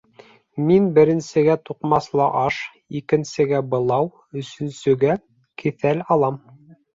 Мин беренсегә туҡмаслы аш, икенсегә былау, өсөнсөгә кеҫәл алам.